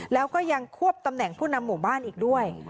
แล้วก็ยังควบตำแหน่งผู้นำหมู่บ้านอีกด้วย